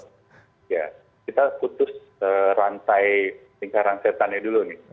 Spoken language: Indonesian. ya kita putus rantai lingkaran setannya dulu nih